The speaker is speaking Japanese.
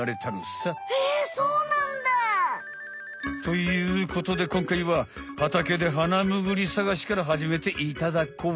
へえそうなんだ！ということでこんかいははたけでハナムグリさがしからはじめていただこう。